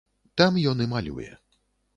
Там ён і малюе.